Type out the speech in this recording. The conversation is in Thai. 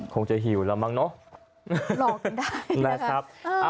คงจะหิวแล้วมั้งเนอะหลอกกันได้นะครับ